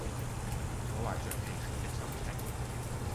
我懷著奇異的心情